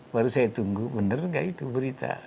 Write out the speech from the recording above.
baru saya tunggu benar nggak itu berita